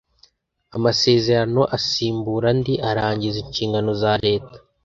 Amasezerano asimbura andi arangiza inshingano za leta